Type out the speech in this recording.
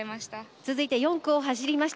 続いて４区を走りました